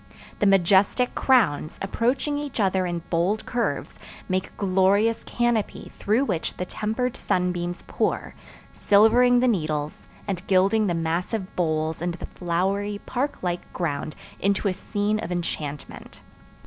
The majestic crowns, approaching each other in bold curves, make a glorious canopy through which the tempered sunbeams pour, silvering the needles, and gilding the massive boles and the flowery, park like ground into a scene of enchantment.